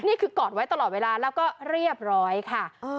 กอดไว้ตลอดเวลาแล้วก็เรียบร้อยค่ะ